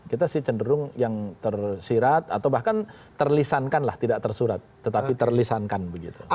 kita sih cenderung yang tersirat atau bahkan terlisankan lah tidak tersurat tetapi terlisankan begitu